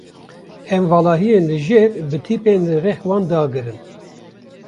Em valahiyên li jêr bi tîpên li rex wan dagirin.